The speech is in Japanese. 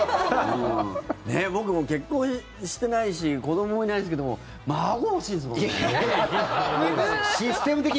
僕、結婚してないし子どももいないですけど孫欲しいです、僕。